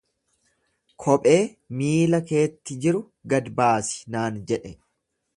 Kophee miilla keetti jiru gad baasi naan jedhe.